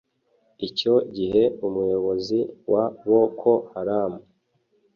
Icyo gihe umuyobozi wa Boko Haram